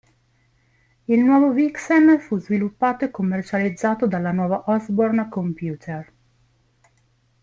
Il nuovo Vixen fu sviluppato e commercializzato dalla nuova Osborne Computer.